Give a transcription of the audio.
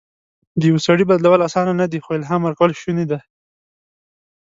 د یو سړي بدلول اسانه نه دي، خو الهام ورکول شونی ده.